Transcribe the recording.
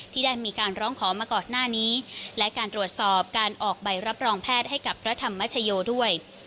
ที่ได้มีการร้องขอมาก่อนหน้านี้และการตรวจสอบการออกใบรับรองแพทย์ให้กับพระธรรมชโยด้วย